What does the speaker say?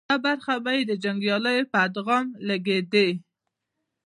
يوه برخه به یې د جنګياليو په ادغام لګېدې